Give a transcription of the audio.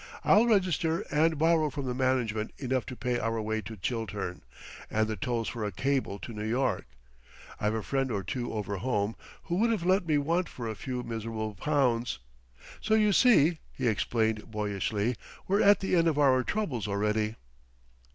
I'll register and borrow from the management enough to pay our way to Chiltern and the tolls for a cable to New York. I've a friend or two over home who wouldn't let me want for a few miserable pounds.... So you see," he explained boyishly, "we're at the end of our troubles already!"